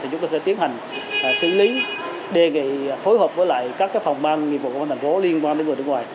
thì chúng tôi sẽ tiến hành xử lý đề nghị phối hợp với các phòng ban nghiệp vụ công an thành phố liên quan đến người nước ngoài